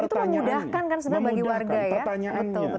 dan itu memudahkan kan sebenarnya bagi warga ya